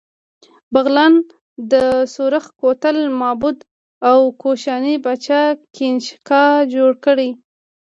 د بغلان د سورخ کوتل معبد د کوشاني پاچا کنیشکا جوړ کړی